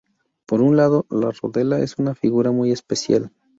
Por un lado, la rodela es una figura muy especial.